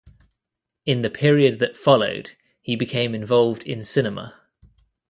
In the period that followed, he became involved in cinema.